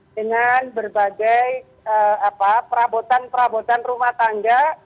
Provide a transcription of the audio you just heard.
dengan berbagai perabotan perabotan rumah tangga